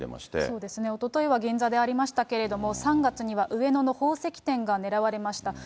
そうですね、おとといは銀座でありましたけれども、３月には上野の宝石店が狙われました。